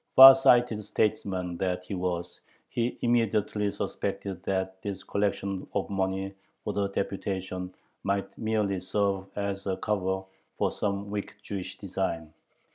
Far sighted statesman that he was, he immediately suspected "that this collection [of money for the deputation] might merely serve as a cover for some wicked Jewish design."